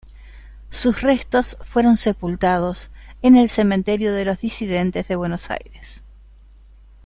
Sus restos fueron sepultados en el Cementerio de los Disidentes de Buenos Aires.